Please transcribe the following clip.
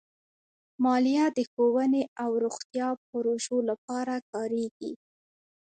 مالیه د ښوونې او روغتیا پروژو لپاره کارېږي.